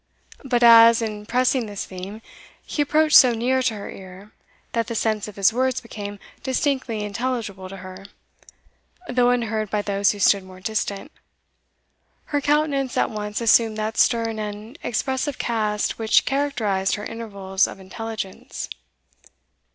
But as, in pressing this theme, he approached so near to her ear that the sense of his words became distinctly intelligible to her, though unheard by those who stood more distant, her countenance at once assumed that stern and expressive cast which characterized her intervals of intelligence.